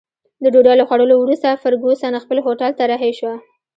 د ډوډۍ له خوړلو وروسته فرګوسن خپل هوټل ته رهي شوه.